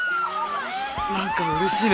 何かうれしいね。